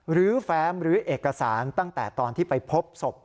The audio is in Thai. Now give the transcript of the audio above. แฟ้มหรือเอกสารตั้งแต่ตอนที่ไปพบศพ